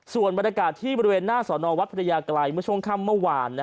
ส่วนบรรยากาศที่บริเวณหน้าสอนอวัดพระยากรัยเมื่อช่วงค่ำเมื่อวาน